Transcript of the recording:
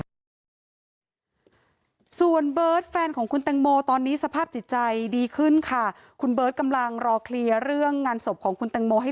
แล้วมันกลายเป็นข่าวแล้วมันกลายเป็นข่าว